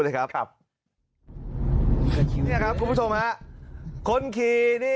เนี่ยครับคุณผู้โชคคนขี่